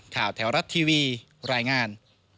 ข่าวแถวรัดทีวีรายงาน